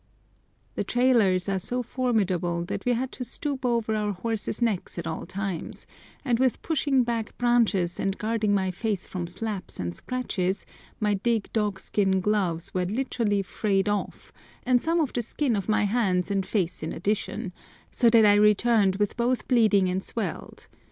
The trailers are so formidable that we had to stoop over our horses' necks at all times, and with pushing back branches and guarding my face from slaps and scratches, my thick dogskin gloves were literally frayed off, and some of the skin of my hands and face in addition, so that I returned with both bleeding and swelled.